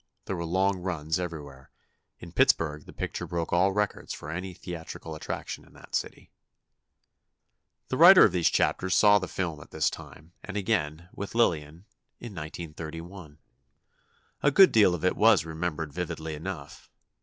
There were long runs everywhere. In Pittsburgh, the picture broke all records for any theatrical attraction in that city. The writer of these chapters saw the film at this time, and again, with Lillian, in 1931. A good deal of it was remembered vividly enough.